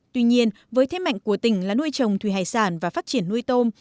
tuy nhiên với thế mạnh của tỉnh là nuôi trồng thủy hải sản và phát triển nuôi tôm